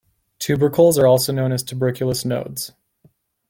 Tubercles are also known as tuberculous nodules.